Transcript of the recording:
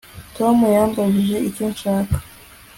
Tom yambajije icyo nshaka